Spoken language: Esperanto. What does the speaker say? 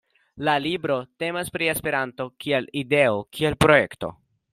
La libro temas pri Esperanto kiel ideo, kiel projekto.